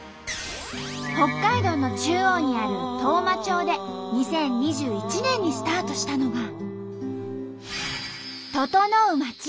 北海道の中央にある当麻町で２０２１年にスタートしたのが。